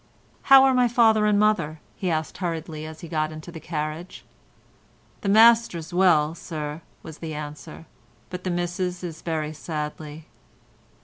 "How are my father and mother?" he asked hurriedly, as he got into the carriage. "The Master's well, sir," was the answer, "but the Missis is very sadly."